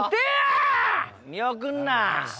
見送んな！